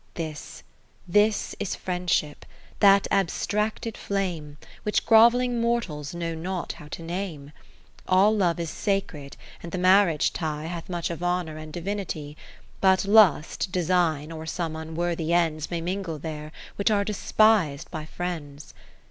This, this is Friendship, that abstracted flame Which grovelling mortals know not how to name. All Love is sacred, and the marriage tie Hath much of honour and divinity. But Lust, Design, or some unworthy ends 31 May mingle there, which are despis'd by Friends.